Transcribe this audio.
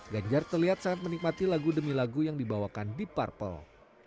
ganjar terlihat sangat menikmati lagu demi lagu yang dibawakan deep parple